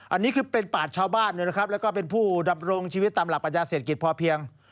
อันนี้คือเป็นปากชาวบ้านนะครับแล้วก็เป็นผู้ดำรงชีวิตตามหลักปัญญาเศรษฐกิจพอเพียง